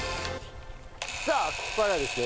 さあここからはですね